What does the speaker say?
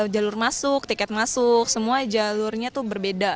jalur masuk tiket masuk semua jalurnya tuh berbeda